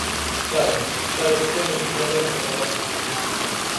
Claro, claro que temos un problema demográfico.